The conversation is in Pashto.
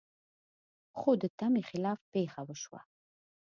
خو د تمې خلاف پېښه وشوه.